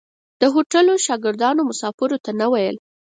د هوټلو شاګردانو مسافرو ته نه ویل.